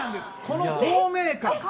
この透明感！